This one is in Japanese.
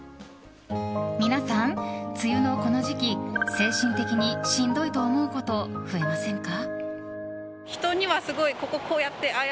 皆さん、梅雨のこの時期精神的にしんどいと思うこと増えませんか？